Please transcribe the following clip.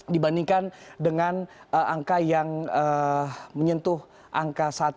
dibandingkan dengan angka yang menyentuh angka satu